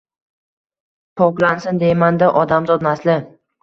Poklansin deyman-da odamzod nasli